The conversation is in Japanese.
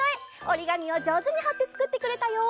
おりがみをじょうずにはってつくってくれたよ！